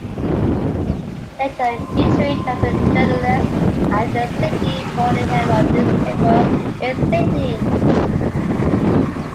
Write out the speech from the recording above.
Later, he trained as a journalist at "The Sydney Morning Herald" newspaper in Sydney.